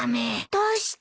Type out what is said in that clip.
どうして？